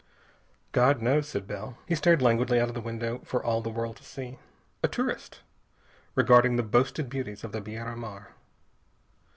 "God knows," said Bell. He stared languidly out of the window, for all the world to see. A tourist, regarding the boasted beauties of the Biera Mar.